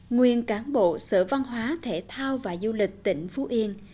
nguyên cán bộ sở văn hóa thể thao và du lịch tỉnh phú yên